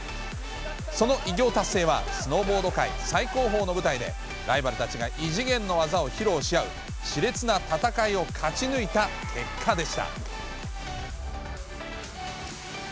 その偉業達成は、スノーボード界最高峰の舞台で、ライバルたちが異次元の技を披露し合うしれつな戦いを勝ち抜いた結果でした。